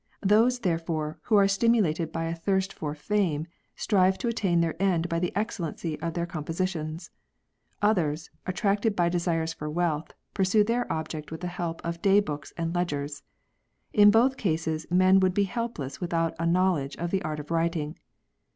Those, therefore, who are stimulated by a thirst for/am^, strive to attain their end by the excellency of their compositions ; others, attracted by desire for wealth, pursue their object with the help of day books and ledgers. In both cases men would be helpless without ajcnowledge of the art of writing.